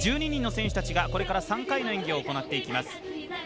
１２人の選手たちがこれから３回の演技を行っていきます。